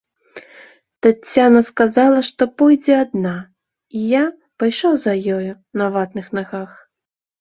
Таццяна сказала, што пойдзе адна, і я пайшоў за ёй на ватных нагах.